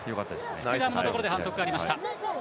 スクラムのところで反則がありました。